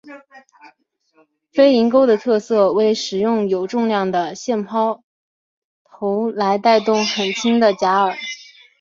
飞蝇钓的特色为使用有重量的线抛投来带动很轻的假饵。